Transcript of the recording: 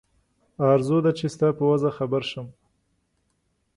آرزو ده چې ستا په وضع خبر شم.